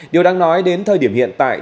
điều đang nói đến thời điểm hiện tại